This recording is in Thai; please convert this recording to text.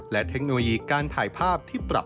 และเทคโนโลยีการถ่ายภาพที่ปรับ